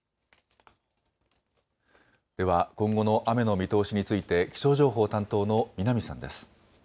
では今後の雨の見通しについて気象情報担当の南さんです。